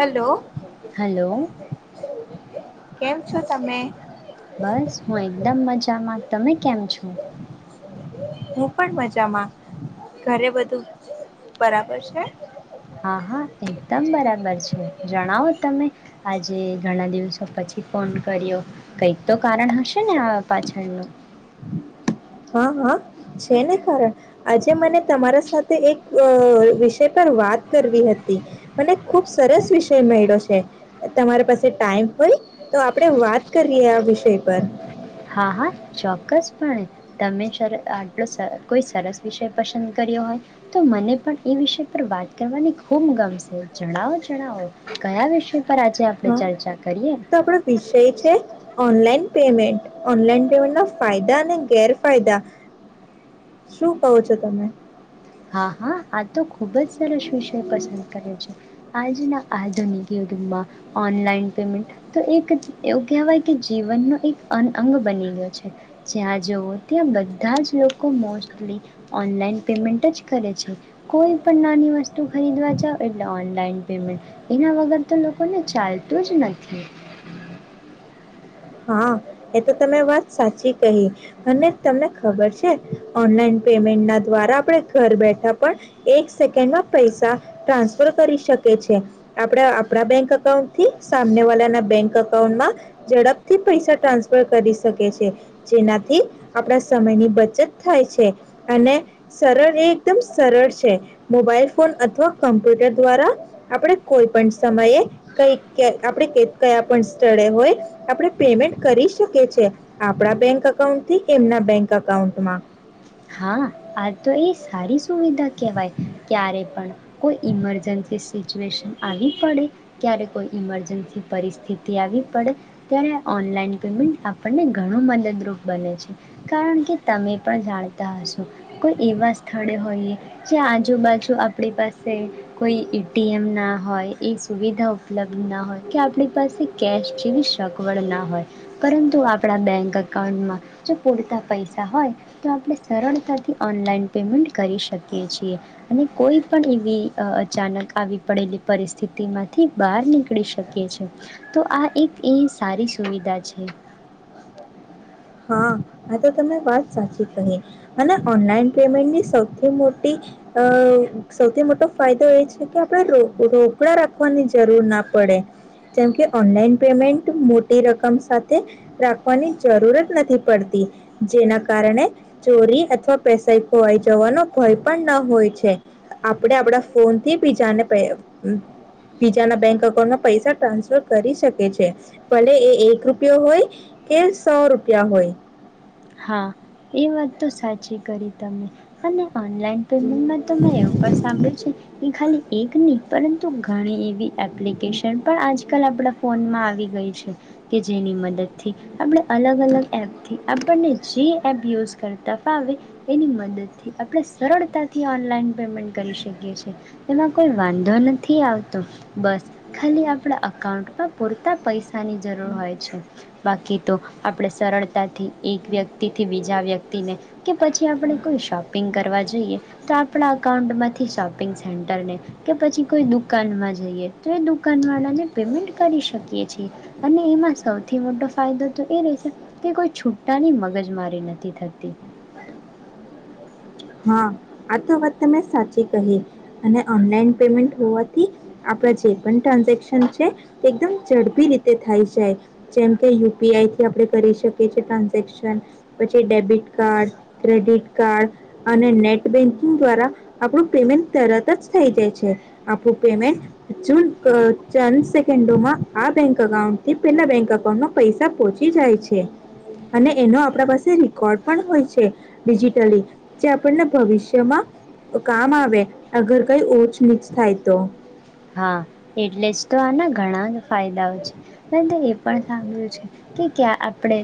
Hello. Hello કેમ છો તમે? બસ હું એકદમ મજામાં તમે કેમ છો? હું પણ મજામાં. ઘરે બધું બરાબર છે? હા હા એકદમ બરાબર છે જણાવો તમે આજે ઘણા દિવસો પછી ફોન કર્યો. કઈક તો કારણ હશે ને આ પાછળનું! હા હા છે ને કારણ આજે મને તમારા સાથે એક વિષય પર વાત કરવી હતી. મને ખુબ સરસ વિષય મયલો છે. તમારા પાસે ટાઈમ હોય તો આપણે વાત કરીએ આ વિષય પર. હા હા ચોક્કસપણે તમે આટલો કોઈ સરસ વિષય પસંદ કર્યો હોય તો મને પણ એ વિષય પર વાત કરવાની ખૂબ ગમશે જણાવો જણાવો કયા વિષય. પર આજે આપણે હા ચર્ચા કરીએ તો આપડો વિષય છે ઓનલાઈન પેમેન્ટ ઓનલાઈન પેમેન્ટ ના ફાયદા અને ગેરફાયદા શું કહો છો તમે. હા હા આ તો ખુબ જ સરસ વિષય પસંદ કર્યો છે આજના આધુનિક યુગગમાં ઓનલાઈન પેમેન્ટ તો એક એવું કહેવાય કે જીવનનો એક અનઅંગ બની ગયો છે જ્યાં જવો ત્યાં બધા જ લોકો મોસ્ટલી ઓનલાઈન પેમેન્ટ જ કરે છે કોઈ પણ નાની વસ્તુ ખરીદવા જાવ એટલે ઓનલાઈન પેમેન્ટ એના વગર તો લોકોને ચાલતું જ નથી. હા એ તો તમે વાત સાચી કહી અને તમને ખબર છે ઓનલાઈન પેમેન્ટ ના દ્વારા આપણે ઘર બેઠા પણ એક સેકન્ડમાં પૈસા ટ્રાન્સફર કરી શકી છે આપણે આપણા બેંક અઉન્ટ થી સામને વાળાના બેંક અકાઉન્ટમાં ઝડપ થી પૈસા ટ્રાન્સફર કરી શકે છે જેનાથી આપણા સમયની બચત થાય છે અને સરળ એ એકદમ સરળ છે મોબાઈલ ફોન અથવા કમ્પ્યુટર દ્વારા આપણે કોઈ પણ સમયે કઈ આપણે કયા પણ સ્થળે હોય આપણે પેમેન્ટ કરી શકે છે આપણા બેંક અકાઉન્ટ થી એમના બેંક અકાઉન્ટમાં. હા આ તો એ સારી. સુવિધા કહેવાય ક્યારે પણ કોઈ ઈમરજન્સી સિચ્યુએશન આવી પડે ક્યારે કોઈ ઇમરજન્સી પરિસ્થિતિ આવી પડે ત્યારે ઓનલાઈન પેમેન્ટ આપણને ઘણું મદદરૂપ બને છે કારણ કે તમે પણ જાણો કોઈ એવા સ્થળે હોઈએ જે આજુબાજુ આપણી પાસે કોઈ એટીએમ ના હોય એ સુવિધા ઉપલબ્ધ ના હોય કે આપણી પાસે કેશ જેવી સગવડ ના હોય પરંતુ આપણા બેંક અકાઉન્ટમાં જો પૂરતા પૈસા હોય તો આપણે સરળતાથી ઓનલાઈન પેમેન્ટ કરી શકીએ છીએ અને કોઈ પણ એવી અચાનક આવી પડેલી પરિસ્થિતિ માંથી બહાર નીકળી શકે છે તો આ એક એ સારી સુવિધા છે. હા આ તો તમે વાત સાચી કહી અને ઓનલાઈન પેમેન્ટની સૌથી મોટી અ સૌથી મોટો ફાયદો એ છે કે આપણે રોકડા રાખવાની જરૂર ના પડે જેમ કે ઓનલાઈન પેમેન્ટ મોટી રકમ સાથે રાખવાની જરૂરત. નથી પડતી જેના કારણે ચોરી અથવા પૈસા ખોવાઈ જવાનો કોઈ પણ ન હોય છે આપણે આપડા ફોનથી બીજાને બીજાના બેંક અઉન્ટમાં પૈસા ટ્રાન્સફર કરી શકે છે ભલે એ એક રૂપિયો હોય કે સો રૂ ત્યા હોય. હા એ વાત તો સાચી કરી તમે અને ઓનલાઈન પેમેન્ટમાં તો મેં એવું પણ સાંભળ્યું છે કે ખાલી એક નહીં પરંતુ ઘણી એવી એપ્લિકેશન પણ આજકાલ આપણા ફોનમાં આવી ગઈ છે કે જેની મદદથી આપડણે અલગ અલગ એપ થી પને જે એપ યુઝ કરતા ફાવે એની મદદથી આપણે સરળતાથી ઓનલાઈન પેમેન્ટ કરી શકીએ છે એમાં કોઈ વાંધો નથી આવતો બસ ખાલી આપણા અકાઉન્ટમાં પૂરતા પૈસાની જરૂર હોય છે બાકી તો આપણે સરળતાથી એક વ્યક્તિ થી બીજા વ્યક્તિને કે પછી આપણે કોઈ શોપિંગ કરવા જઈએ તો આપણા અકાઉન્ટમાંથી શોપિંગ સેન્ટરને કે પછી કોઈ દુકાનમાં જઈએ તો એ દુકાન વાળાને પેમેન્ટ કરી શકીએ છીએ અને એમાં સૌથી મોટો ફાયદો તો એ રહે છે કે કોઈ છુટ્ટાની મગજ મારી નથી થતી. હા આ તો વાત તમે સાચી કહી અને ઓનલાઈન પેમેન્ટ હોવાથી આપણા જે પણ ટ્રાન્ઝેક્શન છે. એકદમ ઝડપી રીતે થાય જાય જેમ કે યુપીઆઈથી આપણે કરી શકીએ છીએ ટ્રાન્ઝેક્શન પછી ડેબિટ કાર્ડ ક્રેડિટ કાર્ડ અને નેટ બેન્કિંગ દ્વારા આપણું પેમેન્ટ તરત જ થઈ જાય છે આપણું પેમેન્ટ ચંદ સેકન્ડોમાં આ બેંક અકાઉન્ટથી પેલા બેંક અકાઉન્ટમાં પૈસા પહોચી જાય છે અને એનો આપણા પાસે રેકોર્ડ પણ હોય છે ડિજિટલી જે આપણને ભવિષ્યમાં કામ આવે આ ઘર કઈ ઉંચનીચ થાય તો. હા એટલે જ તો આના ઘણા ફાયદાઓ છે મે તો એ પણ સાંભળ્યું છે કે ક્યાં આપણે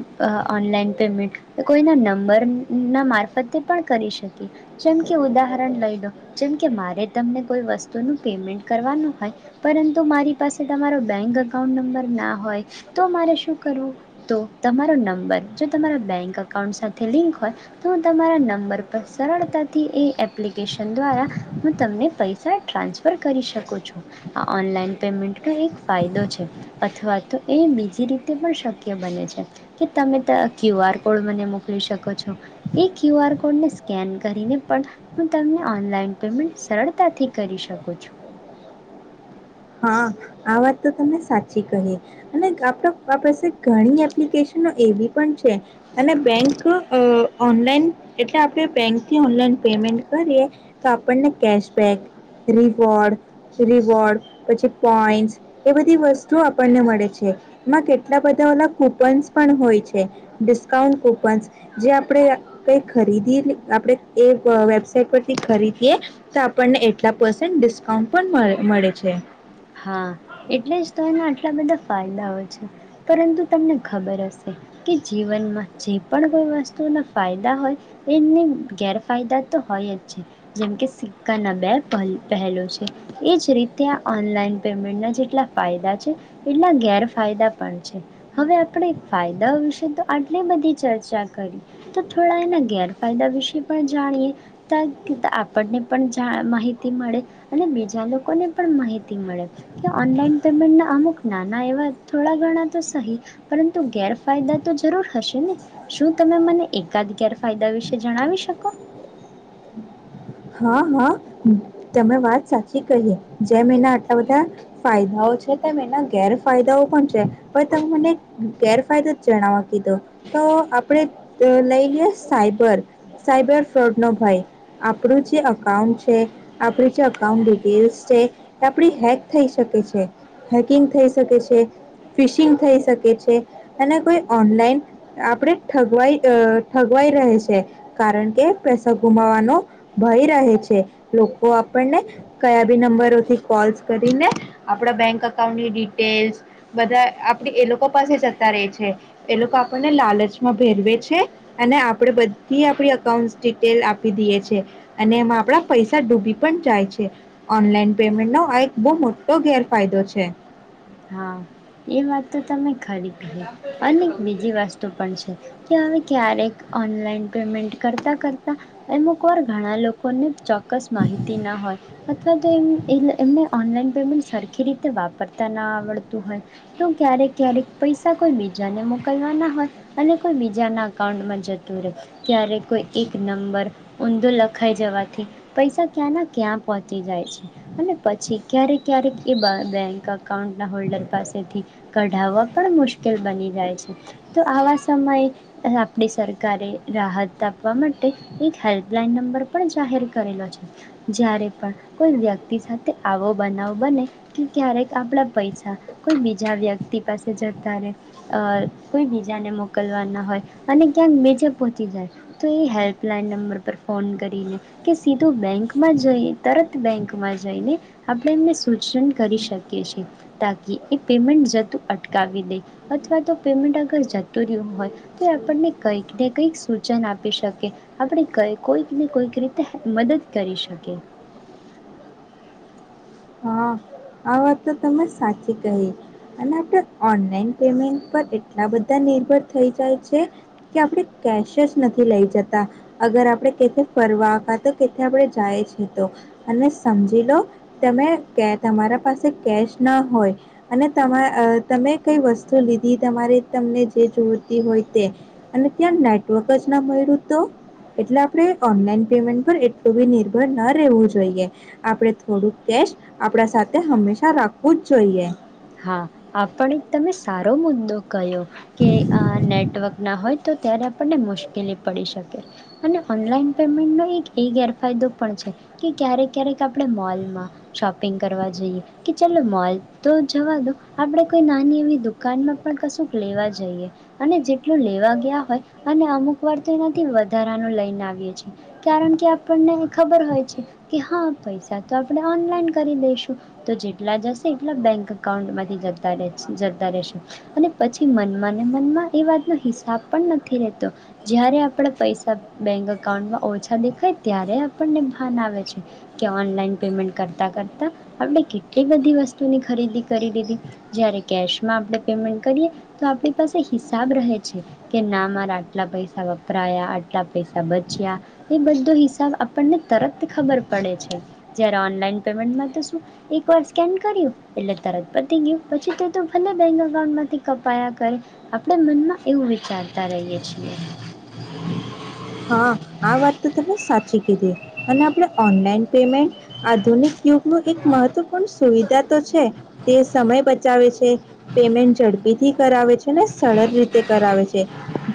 ઓનલાઈન પેમેન્ટ કોઈના નંબરના મારફતે પણ કરી શકીએ જેમ કે ઉદાહરણ લઈ લો જેમ કે મારે તમને કોઈ વસ્તુનું પેમેન્ટ કરવાનું હોય પરંતુ મારી પાસે તમારો બેંક અકાઉન્ટ નંબર ના હોય તો મારે શું કરવું તો તમારો નંબર જો તમારા બેંક અકાઉન્ટ સાથે લિંક હોય તો હું તમારા નંબર પર સરળતાથી એ એપ્લિકેશન દ્વારા હું તમને પૈસા ટ્રાન્સફર કરી શકો છો આ ઓનલાઈન પેમેન્ટનો એક ફાયદો છે અથવા તો એ બીજી રીતે પણ શક્ય બને છે કે તમે ક્યુ આર કોડ મને મોકલી શકો છો એ ક્યુ આર કોડને સ્કેન કરીને પણ હું તમને ઓનલાઈન પેમેન્ટ સરળતાથી કરી શકું છું. હા આ વાત તો તમને સાચી કહી અને આપ પાસે ઘણી એપ્લિકેશનો એવી પણ છે અને બેંક અ ઓનલાઈન એટલે આપણે બેંકથી ઓનલાઈન પેમેન્ટ કરીએ તો આપણને કેશબેક રિવોર્ડ રિવોર્ડ પછી પોઈન્સ એ બધી વસ્તુઓ આપણને મળે છે એમાં કેટલા બધા ઓધા કૂપન્સ પણ હોય છે ડિસ્કાઉન્ટ કૂપન્સ જે આપણે કંઈ ખરીદી આપણે એ વેબસાાઈટ પરથી ખરીદીએ તો આપણને એટલા પર્સેન્ટ ડિસ્કાઉન્ટ પણે મળે છે. હા એટલે જ તો એના આટલા બધા ફાયદાઓ છે પરંતુ તમને ખબર હશે કે જીવનમાં જે પણ કોઈ વસ્તુના ફાયદા હોય એમને ગેરફાયદા તો હોય જ છે જેમકે સિક્કાના બે પ પહેલો છે એ જ રીતે આ ઓનલાઈન. પેમેન્ટના જેટલા ફાયદા છે એટલા ગેરફાયદા પણ છે હવે આપણે ફાયદાઓ વિશે તો આટલી બધી ચર્ચા કરી તો થોડા એના ગેરફાયદા વિશે પણ જાણીએ આપણને પણ માહિતી મળે અને બીજા લોકોને પણ માહિતી મળે ઓનલાઈન પેમેન્ટના અમુક નાના એવા થોડા ઘણા તો સહી પરંતુ ગેરફાયદા તો જરૂર હશે ને શું તમે મને એકાદ ગેરફાયદા વિશે જણાવી શકો. હા હા તમે વાત સાચી કહીએ જેમ એના આટલા બધા ફાયદાઓ છે તેમ એના ગેરફાયદાઓ પણ છે. હ તમે મને. ગેરફાયદો જ જણાવવા કીધો, તો આપણે લઈ લઈ સાયબર સાયબર ફ્રોડનો ભય. કકડું જે અકાઉન્ટ છે આપણી જે અકાઉન્ટ ડિટેલ્સ છે, એ આપણી હેક થઈ શકે છે, હેકિંગ થઈ શકે છે ફિશિંગ થઈ શકે છે. અને કોઈ ઓનલાઈન, આપણે ઠગવાઈ ઠગવાઈ રહે છે, કારણ કે પૈસા ગુમાવાનો ભય રહે છે, લોકો આપણને, કયા બી નંબરોથી કોલ્સ કરીને, આપણા બેંક અકાઉન્ટની ડિટેલ્સ, બધા આપડી એ લોકો પાસે જતા રહે છે. એ લોકો આપણને લાલચમાં ભેરવે છે. અને આપડે બધી આપડી અઉન્ટ ડિટેલ આપી દઈએ છે. અને એમાં આપણા પૈસા ડૂબી પણ જાય છે, ઓનલાઈન પેમેન્ટ નો આ એક બહુ મોટો ગેરફાયદો છે. હા એ વાત તો તમે ખરી કહી, અને બીજી વસ્તુ પણ છે કે હવે ક્યારેક ઓનલાઈન પેમેન્ટ કરતા કરતા, એમ કોર ઘણા લોકોને. ચોક્કસ માહિતી ના હોય. અથવા તો એમ એ એમને ઓનલાઈન પેમેન્ટ સરખી રીતે વાપરતા ન હો તો ક્યારેક ક્યારેક પૈસા કોઈ બીજાને મોકલવાના હોય, અને કોઈ બીજાના અકાઉન્ટમાં જતું રહે, ક્યારેક કોઈ એક નંબર ઊંધો લખાઈ જવાથી, પૈસા ક્યાંના ક્યાં પહોંચી જાય છે, અને પછી ક્યારેક ક્યારેક એ બેંક અકાઉન્ટ ના હોલ્ડર પાસેથી, કઢાવવા પણ મુશ્કેલ બની જાય છે, તો આવા સમયે આપણી સરકારે રાહત આપવા માટે, એક હેલ્પલાઈન નંબર પણ જાહેર કરેલો છે, જ્યારે પણ કોઈ વ્યક્તિ સાથે આવો બનાવો બને કે ક્યારેક આપણા પૈસા કોઈ બીજા વ્યક્તિ પાસે જતા રહે કોઈ બીજાને મોકલવાના હોય અને ક્યાંક મેજા પહોચી જાય તો એ હેલ્પલાઈન નંબર પર ફોન કરીને કે સીધું બેંકમાં જઈ તરત બેંકમાં જઈને આપણે એમને સૂચન કરી શકીએ છે. તાકી એ પેમેન્ટ જતું અટકાવી દે અથવા તો પેમેન્ટ અગર જતું રહ્યું હોય તો આપણને કઈક ને કંઈક સૂચન આપી શકે આપણે કોઈકને કોઈક રીતે મદદ કરી શકી. હા આ વાત તો તમે સાચી કહી અને આપણે ઓનલાઈન પેમેન્ટ પર એટલા બધા નિર્ભર થઈ જાય છે કે આપણે કેશ જ નથી લઈ જતા અગર આપણે કથી ફરવા હતા તો કેથી આપણે જાય છે તો અને સમજી લો તમે. કે તમારા પાસે કેશ ના હોય અને તમા તમે કઈ વસ્તુ લીધી તમારે તમને જે જોતી હોય તે અને ત્યાં નેટવર્ક જ ના મળ્યું તો એટલે આપણે ઓનલાઈન પેમેન્ટ પર એટલું બી નિર્ભર ન રહેવું જોઈએ આપણે થોડુંક કેશ આપણા સાથે હંમેશા રાખવું જ જોઈએ. હા આપણ એક તમે સારો મુદ્દો ક કે નેટવર્ક ના હોય તો ત્યારે આપણને મુશ્કેલી પડી શકે અને ઓનલાઈન પેમેન્ટનો એક એ ગેરફાયદો પણ છે કે ક્યારેક ક્યારેક આપણે મોલમાં શોપિંગ કરવા જઈએ કે ચાલો મોલ તો જવા દો આપણે કોઈ નાની એવી દુકાનમાં પણ કશું લેવા જઈએ અને જેટલું લેવા ગયા હોય અને અમુક વાર તો એનાથી વધારાનું લઈને આવીએ છીએ કારણ કે આપણને ખબર હોય છે કે હા પૈસા તો આપણે ઓનલાઈન કરી દઈશું તો જેટલા જશે એટલા બેંક ઉથી જતા રહેશે અને પછી મનમાંને મનમાં એ વાતનો હિસાબ પણ નથી રહેતો જ્યારે આપણે પૈસા બેંક અઉન્ટમાં ઓછા દેખાય ત્યારે આપણને ભાન આવે છે કે ઓનલાઈન પેમેન્ટ કરતા કરતા આપણે કેટલી બધી વસ્તુની ખરીદી કરીીધ જ્યારે કેશમાં આપણે પેમેન્ટ કરીએ તો આપણી પાસે હિસાબ રહે છે કે ના મારા આટલા પૈસા વપરાયા આટલા પૈસા બચ્યા એ બધો હિસાબ આપણને તરત ખબર પડે છે જ્યારે ઓનલાઈન પેમેન્ટમાં તો શું એક વાર સ્કેન કર્યું એટલે ત પ ગય પછી ભલે બેંક અઉન્ટ માંથી કપાયા કરે આપણે મનમાં એવું વિચારતા રહીય છીએ. હા આ વાત તો તમે સાચી કધ અને આપડ ઓનલાઈન પેમેન્ટ આધુનિક યુગ ન એક મહત્વપૂર્ણ સુવિધા તો છે તે સમય બચાવે છે પેમેન્ટ ઝડપીથી કરાવે છે ને સરળ રીતે કરાવે છે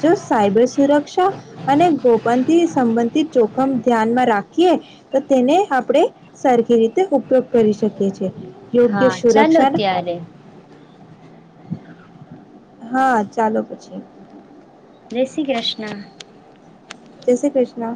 જો સાયબર સુરક્ષા અને ગોપનથી સંબંધિત જોખમ ધ્યાનમાં રાખ ક તો તેને આપણે સારખી રીતે ઉપયોગ કરી શકીએ છી યોગ્ય હા ચાલો સુરક્ષા ત્યારે હા ચાલો પછી. જય શ્રી કૃષ્ણ. જેશ્રી કૃષ્ણા.